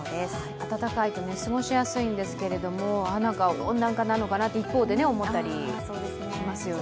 暖かいと過ごしやすいんですけれども温暖化なのかなと一方で思ったりしますよね。